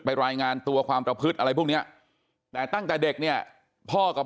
รายงานตัวความประพฤติอะไรพวกเนี้ยแต่ตั้งแต่เด็กเนี่ยพ่อกับ